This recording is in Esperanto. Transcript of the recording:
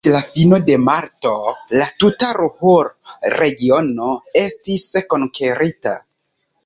Ĝis la fino de marto la tuta Ruhr-Regiono estis konkerita.